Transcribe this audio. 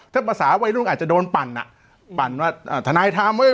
ถ้าภาษาวัยรุ่นอาจจะโดนปั่นอ่ะปั่นว่าทนายทำไว้